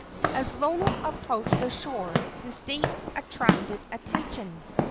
As Lono approached the shore his state attracted attention.